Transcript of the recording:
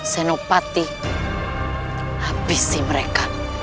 senopati abisi mereka